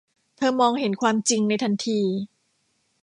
เธอมองเห็นความจริงในทันที